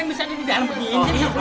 eh suara tuh